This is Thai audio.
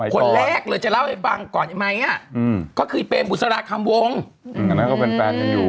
คนแรกเลยจะเล่าให้ฟังก่อนไหมก็คือเปรมบุษราคำวงอันนั้นก็เป็นแฟนกันอยู่